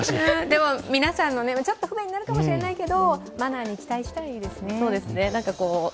皆さん、ちょっと不便になるかもしれないけどマナーに期待したいですね。